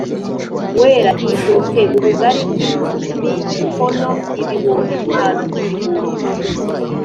wera l u te ubugari bw imikono ibihumbi bitanu ku bihumbi